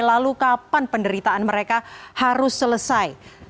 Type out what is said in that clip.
lalu kapan penderitaan mereka harus selesai